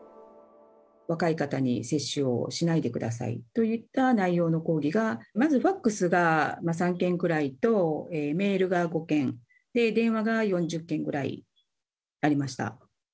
若い方に接種をしないでくださいといった内容の抗議が、まずファックスが３件くらいと、メールが５件、電話が４０件ぐらいありました。